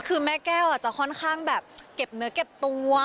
คือแม่แก้วจะค่อนข้างแบบเก็บเนื้อเก็บตัว